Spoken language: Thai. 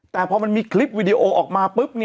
แต่พอมันมีคลิปวิดีโอออกมาปุ๊บ